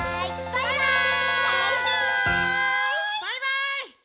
「バイバーイ！」